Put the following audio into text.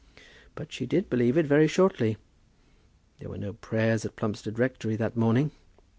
But she did believe it very shortly. There were no prayers at Plumstead rectory that morning.